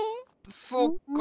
そっか。